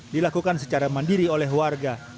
dilakukan secara mandiri oleh warga